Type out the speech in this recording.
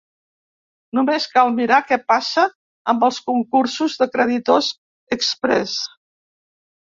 Només cal mirar què passa amb els concursos de creditors exprés.